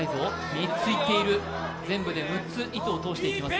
３ついっている全部で６つ糸を通していきます。